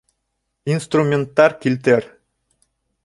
Инструменттар килтер!